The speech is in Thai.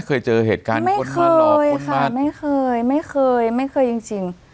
เคยเจอเหตุการณ์คนมานอบคนมากไม่เคยค่ะไม่เคยไม่เคยจริง